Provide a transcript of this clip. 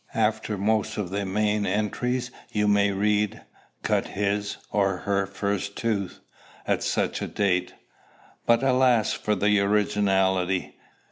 After most of the main entries, you may read, "Cut his (or her) first tooth" at such a date. But, alas for the originality!